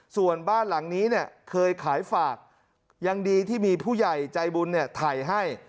ส่วนบ้านหลังนี้เคยขายฝากยังดีที่มีผู้ใหญ่ใจบุญไถ่ให้